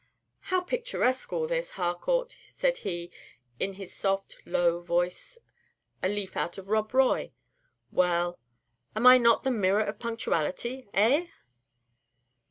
"How picturesque all this, Harcourt," said he, in his soft, low voice; "a leaf out of 'Rob Roy.' Well, am I not the mirror of punctuality, eh?"